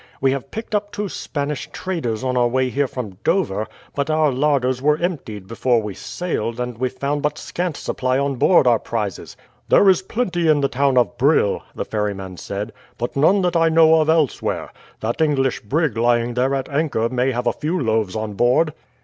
We have picked up two Spanish traders on our way here from Dover, but our larders were emptied before we sailed, and we found but scant supply on board our prizes." "There is plenty in the town of Brill," the ferryman said; "but none that I know of elsewhere. That English brig lying there at anchor may have a few loaves on board."